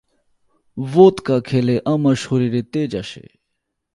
ভোদকা খেলে আমার শরীরে তেজ আসে।